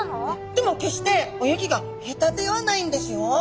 でも決して泳ぎが下手ではないんですよ。